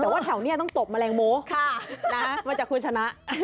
แต่ว่าแถวนี้ต้องตบแมลงโมมาจากคุณชนะ